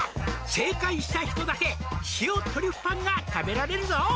「正解した人だけ塩トリュフパンが食べられるぞ」